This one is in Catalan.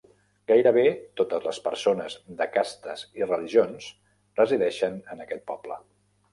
Gairebé totes les persones de castes i religions resideixen en aquest poble.